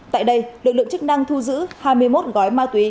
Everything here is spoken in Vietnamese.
tại đây lực lượng chức năng thu giữ hai mươi một gói ma túy